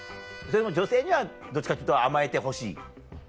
女性にはどっちかっていうと甘えてほしい？